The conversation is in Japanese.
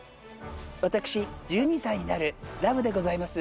私、１２歳になるラブでございます。